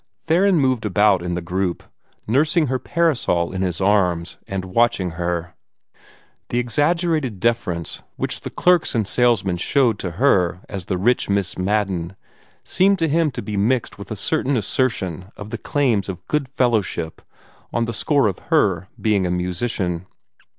Theron moved about in the group, nursing her parasol in his arms, and watching her. The exaggerated deference which the clerks and salesmen showed to her as the rich Miss Madden, seemed to him to be mixed with a certain assertion of the claims of good fellowship on the score of her being a musician.